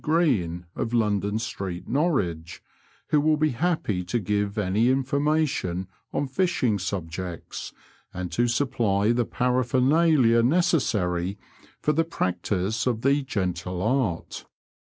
Greene, of London street, Norwich, who will be happy to give any information on fishing subjects, and to supply the paraphernalia necessary for the practice of the gentle art.